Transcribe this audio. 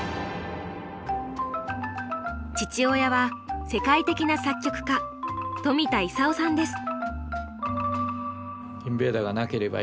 父親は世界的な作曲家冨田勲さんです。